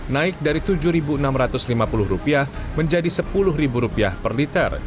naik dari rp tujuh enam ratus lima puluh menjadi rp sepuluh per liter